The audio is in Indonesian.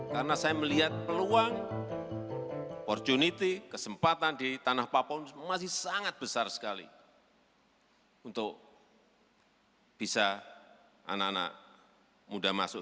karena saya melihat peluang opportunity kesempatan di tanah papua masih sangat besar sekali untuk bisa anak anak muda masuk